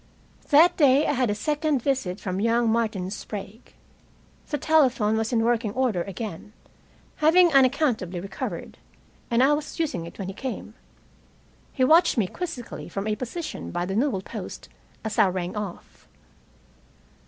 That day I had a second visit from young Martin Sprague. The telephone was in working order again, having unaccountably recovered, and I was using it when he came. He watched me quizzically from a position by the newelpost, as I rang off.